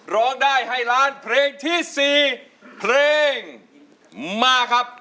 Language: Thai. ร้องได้ให้ล้านเพลงที่๔เพลงมาครับ